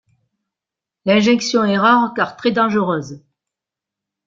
L'injection est rare car très dangereuse.